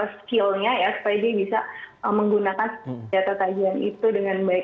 skillnya ya supaya dia bisa menggunakan data kajian itu dengan baik